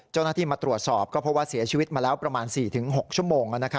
เจ้าหน้าที่มาตรวจสอบก็พบว่าเสียชีวิตมาแล้วประมาณ๔๖ชั่วโมง